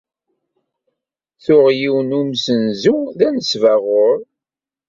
Tuɣ yiwen n wemsenzu d anesbaɣur.